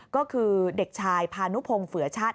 ก็คือเด็กชายพานุพงศ์เฝือชาติ